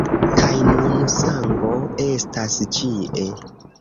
Kaj nun sango estas ĉie.